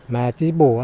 mà chí bổ là phân ngân